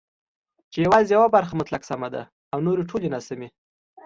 چې یوازې یوه بڼه مطلق سمه ده او نورې ټولې ناسمي